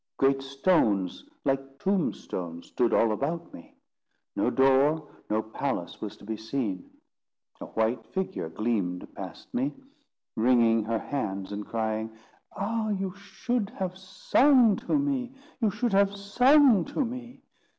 Great stones like tombstones stood all about me. No door, no palace was to be seen. A white figure gleamed past me, wringing her hands, and crying, "Ah! you should have sung to me; you should have sung to me!"